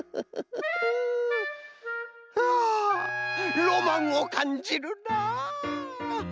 あロマンをかんじるなアハハ。